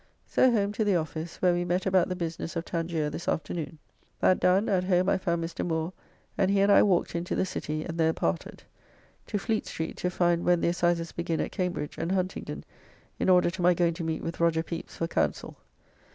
So home to the office, where we met about the business of Tangier this afternoon. That done, at home I found Mr. Moore, and he and I walked into the City and there parted. To Fleet Street to find when the Assizes begin at Cambridge and Huntingdon, in order to my going to meet with Roger Pepys for counsel.